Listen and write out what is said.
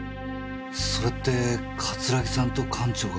それって桂木さんと館長が。